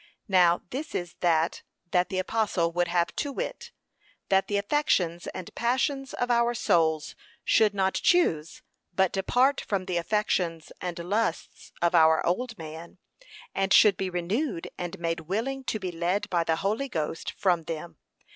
Now this is that that the apostle would have, to wit, that the affections and passions of our souls should not choose but depart from the affections and lusts of our old man, and should be renewed and made willing to be led by the Holy Ghost from them.